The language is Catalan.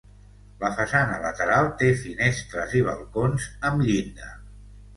La façana lateral té finestres i balcons amb llinda.